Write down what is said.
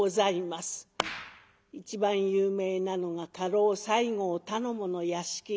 一番有名なのが家老西郷頼母の屋敷。